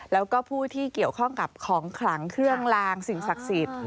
แล้วก็ผู้ที่เกี่ยวข้องกับของขลังเครื่องลางสิ่งศักดิ์สิทธิ์